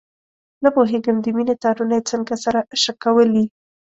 نه پوهېږم د مینې تارونه یې څنګه سره شکولي.